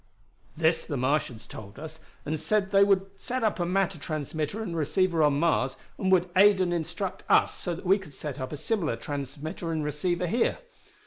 "This the Martians told us, and said they would set up a matter transmitter and receiver on Mars and would aid and instruct us so that we could set up a similar transmitter and receiver here.